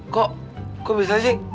kok kok bisa sih